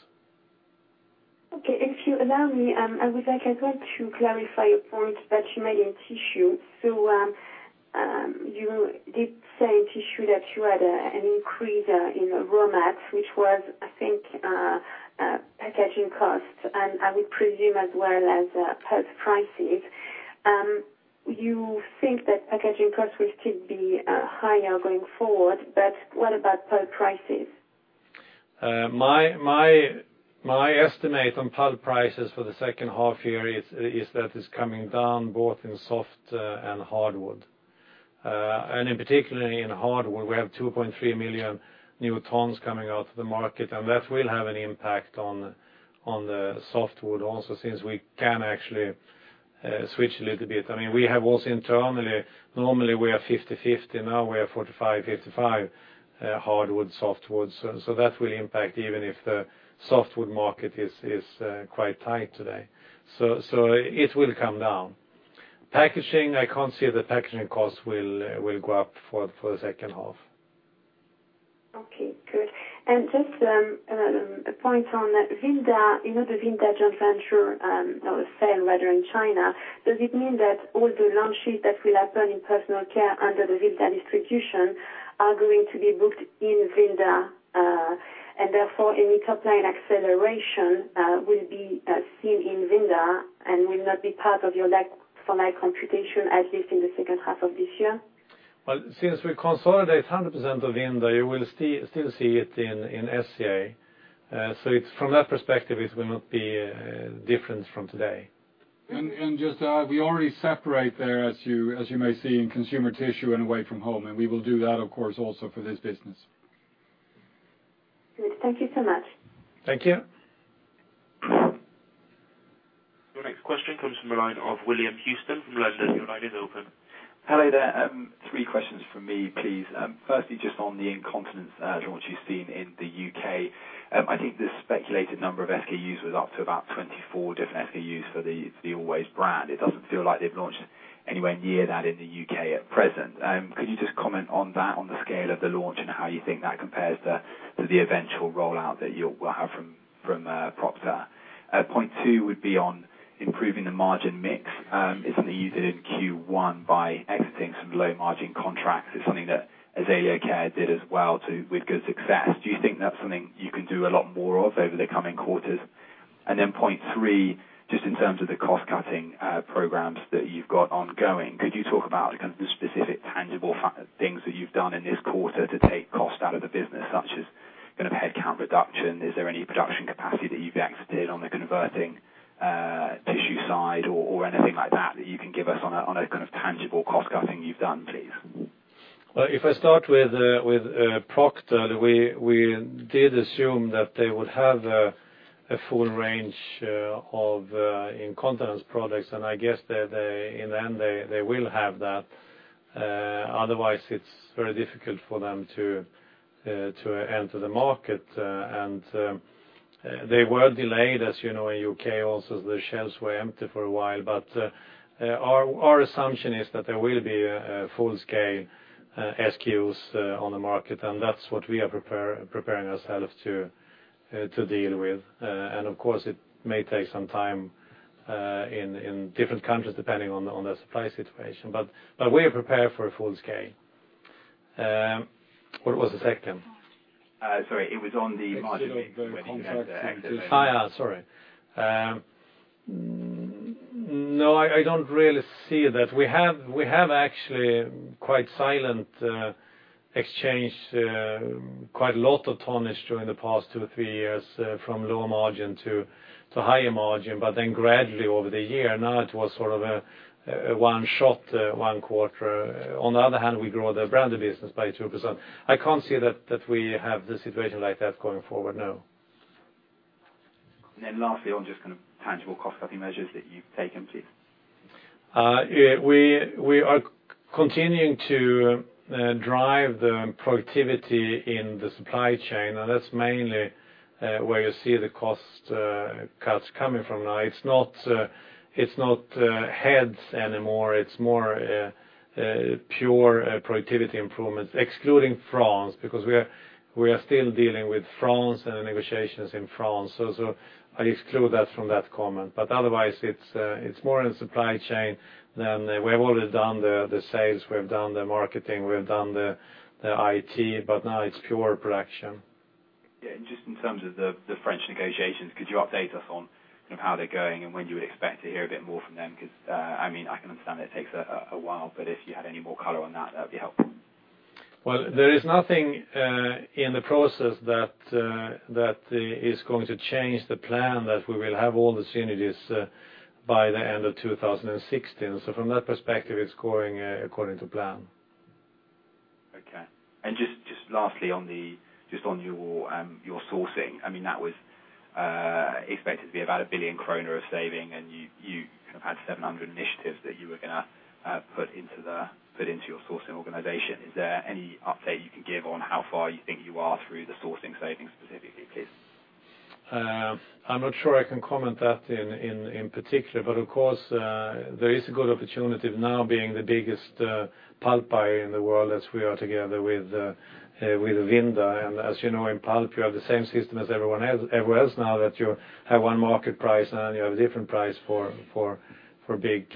Okay. If you allow me, I want to clarify a point that you made in tissue. You did say in tissue that you had an increase in raw mats, which was, I think, packaging costs, and I would presume as well as pulp prices. You think that packaging costs will still be higher going forward, but what about pulp prices? My estimate on pulp prices for the second half year is that it's coming down both in soft and hardwood. In particular in hardwood, we have 2.3 million new tons coming out to the market, and that will have an impact on the softwood also, since we can actually switch a little bit. We have also internally, normally we are 50/50. Now we are 45/55, hardwood, softwoods. That will impact even if the softwood market is quite tight today. It will come down. Packaging, I can't see the packaging cost will go up for the second half. Okay, good. Just a point on Vinda, the Vinda joint venture, or sale rather, in China, does it mean that all the launches that will happen in personal care under the Vinda distribution are going to be booked in Vinda? Therefore any top-line acceleration will be seen in Vinda and will not be part of your like-for-like computation, at least in the second half of this year? Well, since we consolidate 100% of Vinda, you will still see it in SCA. From that perspective, it will not be different from today. Just to add, we already separate there, as you may see, in consumer tissue and Away From Home, and we will do that, of course, also for this business. Good. Thank you so much. Thank you. Your next question comes from the line of William Houston from London. Your line is open. Hello there. Three questions from me, please. Firstly, just on the Incontinence launch you've seen in the U.K. I think the speculated number of SKUs was up to about 24 different SKUs for the Always brand. It doesn't feel like they've launched anywhere near that in the U.K. at present. Could you just comment on that, on the scale of the launch and how you think that compares to the eventual rollout that you will have from Procter? Point two would be on improving the margin mix. It looked easy in Q1 by exiting some low margin contracts. It's something that Essity, okay, did as well too with good success. Do you think that's something you can do a lot more of over the coming quarters? Point three, just in terms of the cost-cutting programs that you've got ongoing, could you talk about the specific tangible things that you've done in this quarter to take cost out of the business, such as headcount reduction? Is there any production capacity that you've exited on the converting tissue side or anything like that you can give us on a kind of tangible cost cutting you've done, please? Well, if I start with Procter, we did assume that they would have a full range of Incontinence products, I guess that in the end they will have that. Otherwise it's very difficult for them to enter the market. They were delayed, as you know, in U.K. also, the shelves were empty for a while. Our assumption is that there will be full-scale SKUs on the market, that's what we are preparing ourselves to deal with. Of course, it may take some time in different countries, depending on the supply situation. We are prepared for a full scale. What was the second? Sorry, it was on the margin. Exit of contracts. Yeah. Sorry. No, I don't really see that. We have actually quite silent exchange, quite a lot of tonnage during the past two or three years from lower margin to higher margin. Gradually over the year, now it was sort of a one-shot one quarter. On the other hand, we grow the branded business by 2%. I can't see that we have the situation like that going forward, no. Lastly, on just kind of tangible cost-cutting measures that you've taken, please. We are continuing to drive the productivity in the supply chain, that's mainly where you see the cost cuts coming from now. It's not heads anymore. It's more pure productivity improvements, excluding France, because we are still dealing with France and the negotiations in France. I exclude that from that comment. Otherwise, it's more in supply chain. We have already done the sales, we have done the marketing, we have done the IT, now it's pure production. Yeah. Just in terms of the French negotiations, could you update us on how they're going and when you would expect to hear a bit more from them? I can understand it takes a while, if you had any more color on that would be helpful. There is nothing in the process that is going to change the plan that we will have all the synergies by the end of 2016. From that perspective, it's going according to plan. Okay. Just lastly on your sourcing. That was expected to be about 1 billion kronor of saving, you had 700 initiatives that you were going to put into your sourcing organization. Is there any update you can give on how far you think you are through the sourcing savings specifically, please? I'm not sure I can comment that in particular, but of course, there is a good opportunity now being the biggest pulp buyer in the world as we are together with Vinda. As you know, in pulp, you have the same system as everyone else now that you have one market price, and you have a different price for big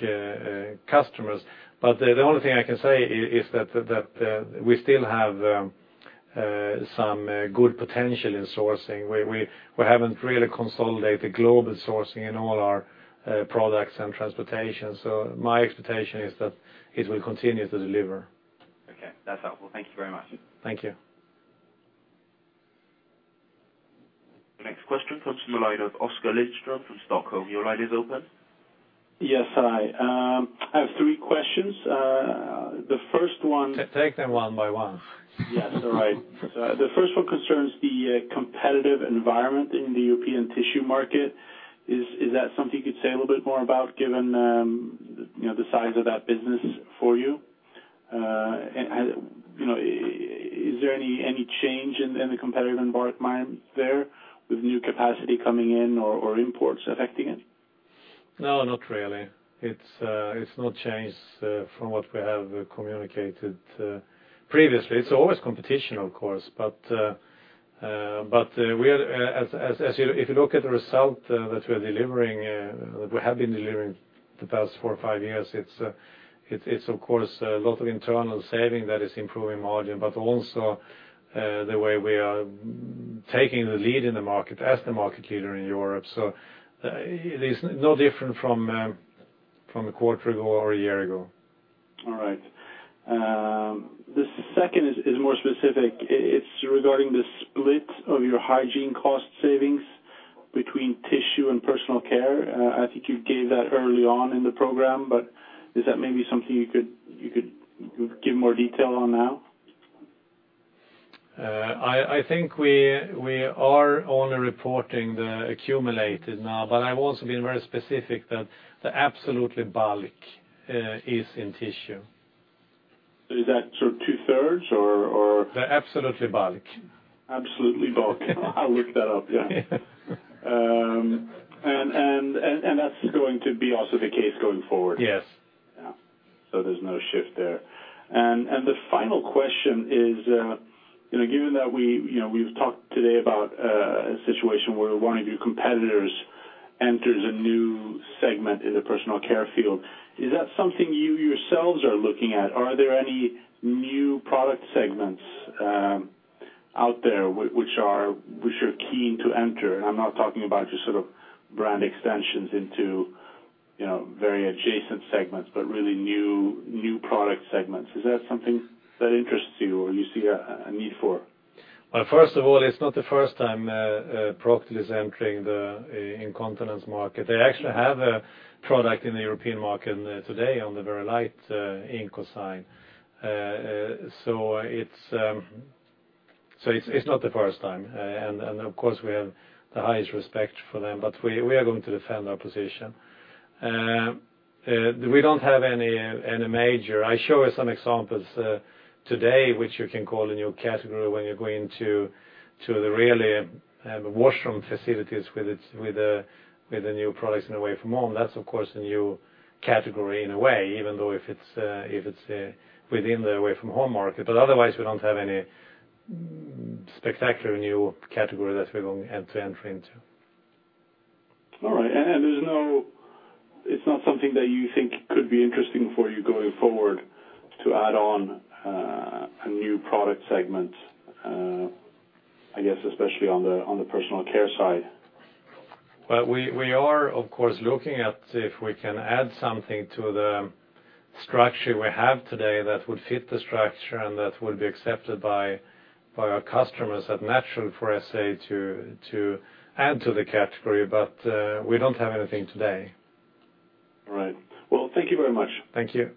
customers. The only thing I can say is that we still have some good potential in sourcing. We haven't really consolidated global sourcing in all our products and transportation. My expectation is that it will continue to deliver. Okay. That's helpful. Thank you very much. Thank you. Next question comes from the line of Oskar Lindström from Stockholm. Your line is open. Yes. Hi. I have three questions. The first one. Take them one by one. Yes. All right. The first one concerns the competitive environment in the European tissue market. Is that something you'd say a little bit more about given the size of that business for you? Is there any change in the competitive environment there with new capacity coming in or imports affecting it? No, not really. It's not changed from what we have communicated previously. It's always competition, of course, but if you look at the result that we're delivering, we have been delivering the past four or five years, it's of course, a lot of internal saving that is improving margin, but also the way we are taking the lead in the market as the market leader in Europe. It is no different from a quarter ago or a year ago. All right. The second is more specific. It's regarding the split of your hygiene cost savings between tissue and personal care. I think you gave that early on in the program, but is that maybe something you could give more detail on now? I think we are only reporting the accumulated now, but I've also been very specific that the absolutely bulk is in tissue. Is that two-thirds or? The absolutely bulk. Absolutely bulk. I'll look that up, yeah. That's going to be also the case going forward? Yes. There's no shift there. The final question is, given that we've talked today about a situation where one of your competitors enters a new segment in the personal care field, is that something you yourselves are looking at, or are there any new product segments out there which you're keen to enter? I'm not talking about just brand extensions into very adjacent segments, but really new product segments. Is that something that interests you or you see a need for? First of all, it's not the first time Procter is entering the Incontinence market. They actually have a product in the European market today on the Very Light Incontinence side. It's not the first time. Of course, we have the highest respect for them, we are going to defend our position. We don't have any. I show some examples today, which you can call a new category when you're going to the really washroom facilities with the new products in Away From Home. That's, of course, a new category in a way, even though if it's within the Away From Home market. Otherwise, we don't have any spectacular new category that we're going to enter into. All right. It's not something that you think could be interesting for you going forward to add on a new product segment, I guess, especially on the personal care side? Well, we are, of course, looking at if we can add something to the structure we have today that would fit the structure and that would be accepted by our customers as natural for SCA to add to the category, but we don't have anything today. All right. Well, thank you very much. Thank you.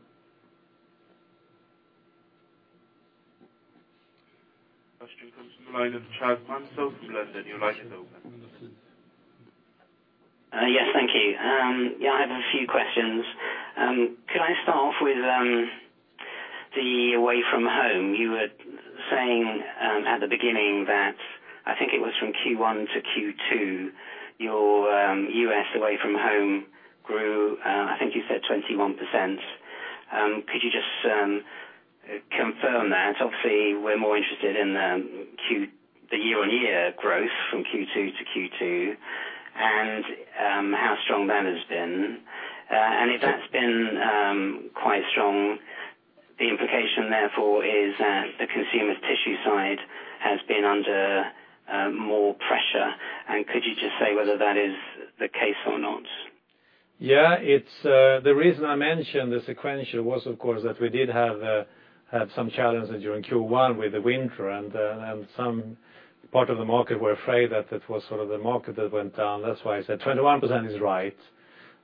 Question comes from the line of Charles Mansell from London. Your line is open. Yes. Thank you. I have a few questions. Could I start off with the Away From Home? You were saying at the beginning that I think it was from Q1 to Q2, your U.S. Away From Home grew, I think you said 21%. Could you just confirm that? Obviously, we're more interested in the year-on-year growth from Q2 to Q2 and how strong that has been. If that's been quite strong The implication therefore is that the consumer tissue side has been under more pressure. Could you just say whether that is the case or not? Yeah. The reason I mentioned the sequential was, of course, that we did have some challenges during Q1 with the winter, and some part of the market were afraid that it was sort of the market that went down. That's why I said 21% is right.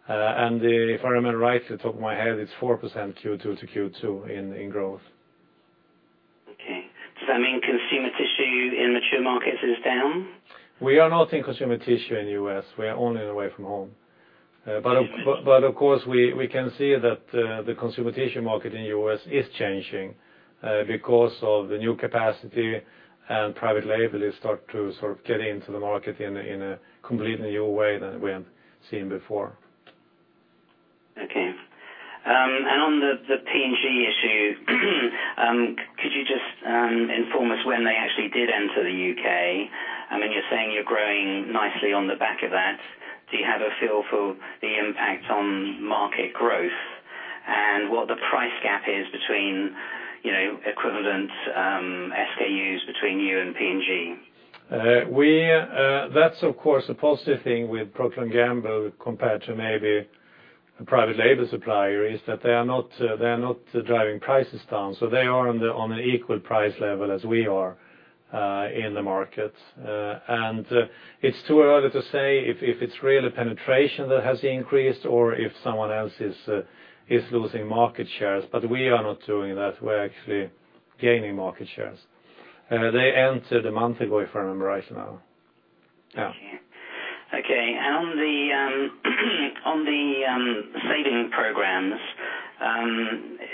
If I remember right, the top of my head, it's 4% Q2 to Q2 in growth. Okay. Does that mean consumer tissue in mature markets is down? We are not in consumer tissue in U.S. We are only Away From Home. Of course, we can see that the consumer tissue market in the U.S. is start to sort of get into the market in a completely new way than we have seen before. Okay. On the P&G issue, could you just inform us when they actually did enter the U.K.? You're saying you're growing nicely on the back of that. Do you have a feel for the impact on market growth and what the price gap is between equivalent SKUs between you and P&G? That's, of course, a positive thing with Procter & Gamble compared to maybe a private label supplier, is that they are not driving prices down. They are on an equal price level as we are in the market. It's too early to say if it's really penetration that has increased or if someone else is losing market shares, we are not doing that. We're actually gaining market shares. They entered a month ago, if I remember right now. Yeah. Okay. On the saving programs,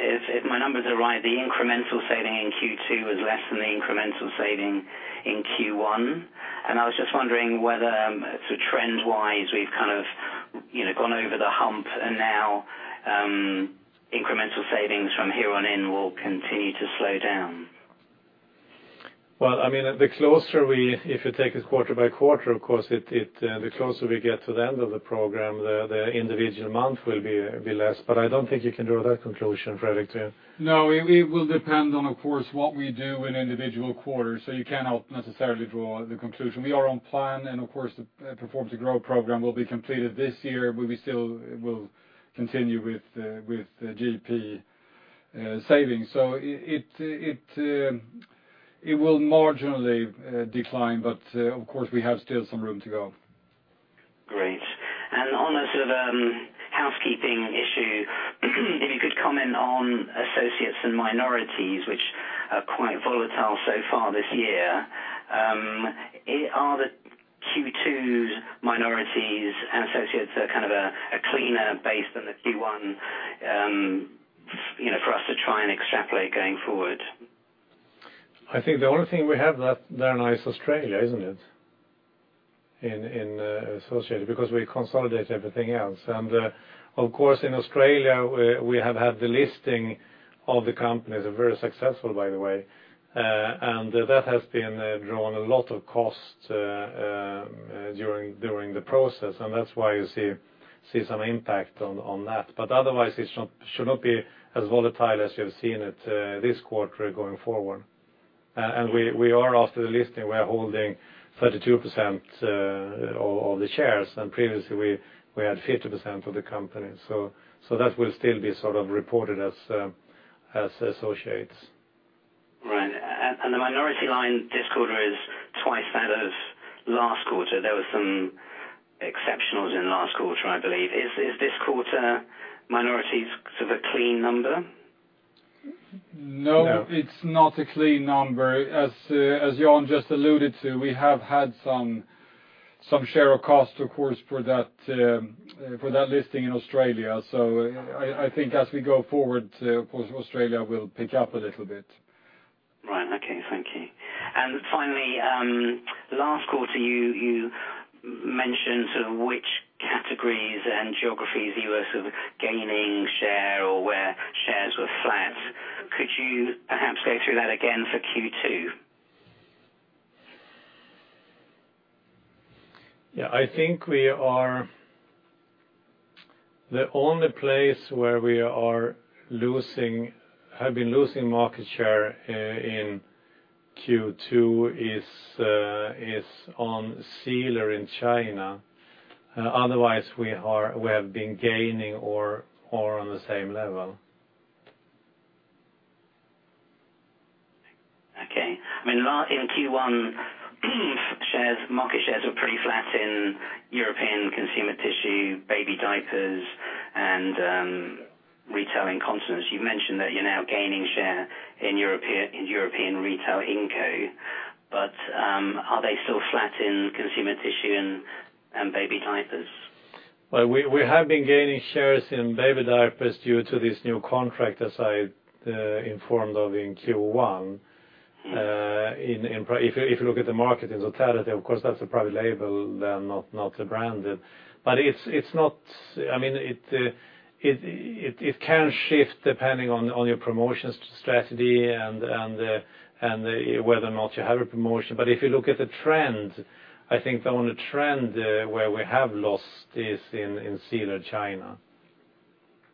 if my numbers are right, the incremental saving in Q2 was less than the incremental saving in Q1. I was just wondering whether, trend-wise, we've kind of gone over the hump and now incremental savings from here on in will continue to slow down. Well, if you take us quarter by quarter, of course, the closer we get to the end of the program, the individual month will be less, I don't think you can draw that conclusion relative to No, it will depend on, of course, what we do in individual quarters. You cannot necessarily draw the conclusion. We are on plan, of course, the Perform to Grow program will be completed this year, we still will continue with the GP savings. It will marginally decline, of course, we have still some room to go. Great. On a sort of housekeeping issue, if you could comment on associates and minorities, which are quite volatile so far this year. Are the Q2 minorities and associates a cleaner base than the Q1 for us to try and extrapolate going forward? I think the only thing we have that there now is Australia, isn't it, in associated? Because we consolidate everything else. Of course, in Australia, we have had the listing of the company, very successful, by the way. That has drawn a lot of cost during the process, that's why you see some impact on that. Otherwise, it should not be as volatile as you have seen it this quarter going forward. We are after the listing, we are holding 32% of the shares, previously we had 50% of the company. That will still be sort of reported as associates. Right. The minority line this quarter is twice that of last quarter. There were some exceptionals in last quarter, I believe. Is this quarter minorities sort of a clean number? No, it's not a clean number. As Jan just alluded to, we have had some share of cost, of course, for that listing in Australia. I think as we go forward, of course, Australia will pick up a little bit. Right. Okay. Thank you. Finally, last quarter you mentioned sort of which categories and geographies you were sort of gaining share or where shares were flat. Could you perhaps go through that again for Q2? Yeah, I think the only place where we have been losing market share in Q2 is on Sealer in China. Otherwise, we have been gaining or on the same level. Okay. In Q1, market shares were pretty flat in European consumer tissue, baby diapers, and retail Incontinence. You mentioned that you're now gaining share in European retail Incontinence, are they still flat in consumer tissue and baby diapers? Well, we have been gaining shares in baby diapers due to this new contract, as I informed of in Q1. If you look at the market in totality, of course, that's a private label, not a branded. It can shift depending on your promotions strategy and whether or not you have a promotion. If you look at the trend, I think the only trend where we have lost is in Sealer China.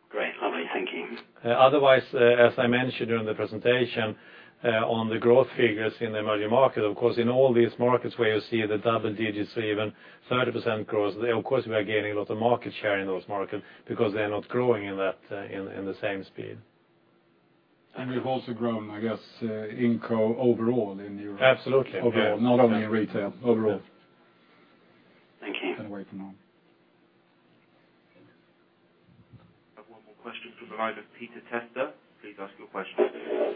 Great. Lovely. Thanking you. Otherwise, as I mentioned during the presentation on the growth figures in the emerging market, of course, in all these markets where you see the double digits or even 30% growth, of course, we are gaining a lot of market share in those markets because they're not growing in the same speed. We've also grown, I guess, Inco overall in Europe. Absolutely. Overall, not only in retail, overall. Thank you. Away From Home. One more question from the line of Peter Testa. Please ask your question.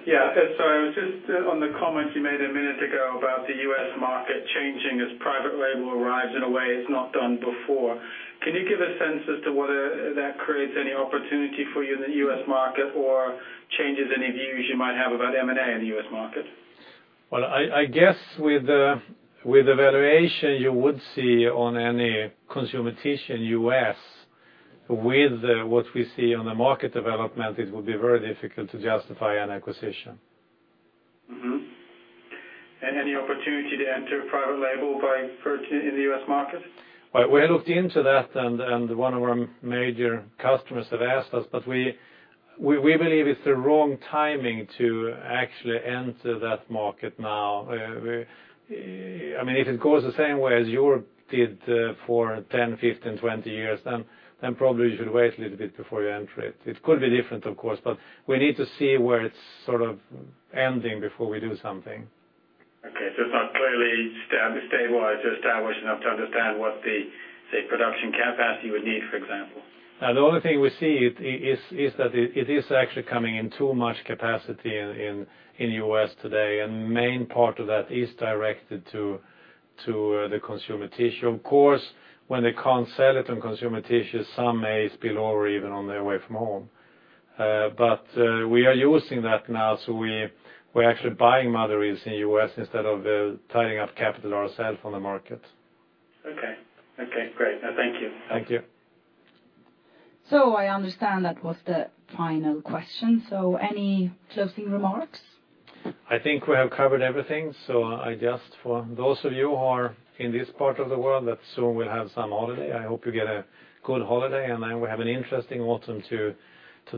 Yeah, sorry. Just on the comment you made a minute ago about the U.S. market changing as private label arrives in a way it's not done before. Can you give a sense as to whether that creates any opportunity for you in the U.S. market or changes any views you might have about M&A in the U.S. market? Well, I guess with the valuation you would see on any consumer tissue in U.S. with what we see on the market development, it will be very difficult to justify an acquisition. Mm-hmm. Any opportunity to enter private label by purchase in the U.S. market? Well, we looked into that. One of our major customers have asked us. We believe it's the wrong timing to actually enter that market now. If it goes the same way as Europe did for 10, 15, 20 years, probably you should wait a little bit before you enter it. It could be different, of course. We need to see where it's ending before we do something. Okay. It's not clearly stabilized or established enough to understand what the, say, production capacity would need, for example. The only thing we see is that it is actually coming in too much capacity in U.S. today. Main part of that is directed to the consumer tissue. Of course, when they can't sell it on consumer tissue, some may spill over even on the Away From Home. We are using that now. We're actually buying materials in U.S. instead of tying up capital ourselves on the market. Okay. Great. Thank you. Thank you. I understand that was the final question. Any closing remarks? I think we have covered everything, for those of you who are in this part of the world that soon will have some holiday, I hope you get a good holiday, and then we have an interesting autumn to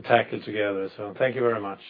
tackle together. Thank you very much.